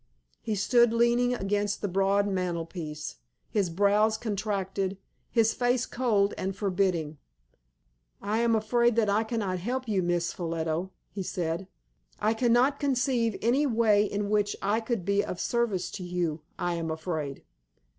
He stood leaning against the broad mantelpiece, his brows contracted, his face cold and forbidding. "I am afraid that I cannot help you, Miss Ffolliot," he said. "I cannot conceive any way in which I could be of service to you, I am afraid."